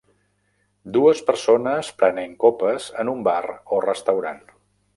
Dues persones prenent copes en un bar o restaurant.